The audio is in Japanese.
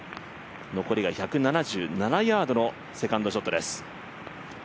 残りが１７７ヤードのセカンドショットです。